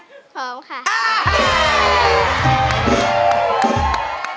พร้อมค่ะ